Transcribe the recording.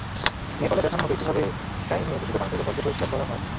নেপালে দেখানো হবে কীভাবে ডাইংয়ে দূষিত পানি থেকে বর্জ্য পরিষ্কার করা হয়।